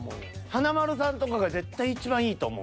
華丸さんとかが絶対いちばんいいと思う。